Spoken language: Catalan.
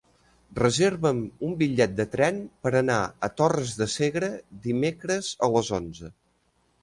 Reserva'm un bitllet de tren per anar a Torres de Segre dimecres a les onze.